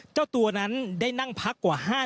เจ้าตัวนั้นได้นั่งพักกว่า